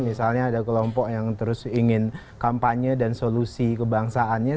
misalnya ada kelompok yang terus ingin kampanye dan solusi kebangsaannya